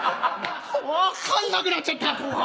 分かんなくなっちゃった後半。